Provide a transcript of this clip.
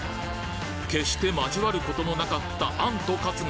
決して交わることのなかった餡とカツが